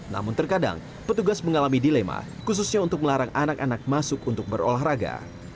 namun terkadang petugas mengalami dilema khususnya untuk melarang anak anak masuk untuk berolahraga